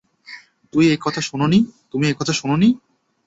তুমি এই কথা শুনো নি?